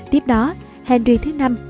tiếp đó henry v